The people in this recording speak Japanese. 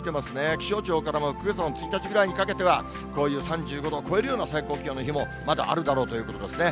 気象庁からも９月の１日ぐらいにかけては、こういう３５度を超えるような最高気温の日も、まだ、あるだろうということですね。